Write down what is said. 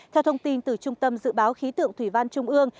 theo thông tin từ trung tâm dự báo khí tượng thủy văn trung ương